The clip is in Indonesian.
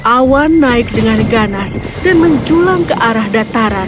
awan naik dengan ganas dan menjulang ke arah dataran